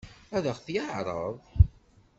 Ad ɣ-t-yeɛṛeḍ?